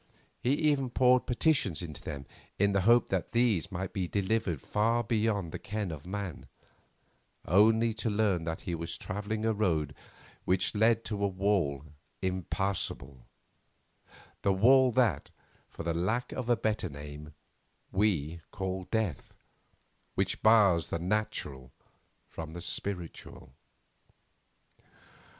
He even poured petitions into them in the hope that these might be delivered far beyond the ken of man, only to learn that he was travelling a road which led to a wall impassable; the wall that, for the lack of a better name, we call Death, which bars the natural from the spiritual.